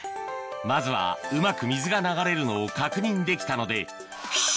まずはうまく水が流れるのを確認できたので岸